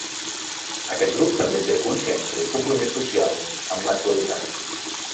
Aquest grup també té consciència i compromís social amb l'actualitat.